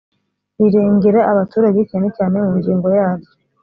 rirengera abaturage cyane cyane mu ngingo yaryo .